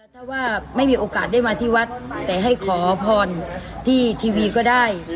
ถ้าว่าไม่มีโอกาสได้มาที่วัดแต่ให้ขอพรที่ทีวีก็ได้